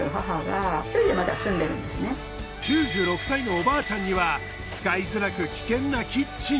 ９６歳のおばあちゃんには使いづらく危険なキッチン。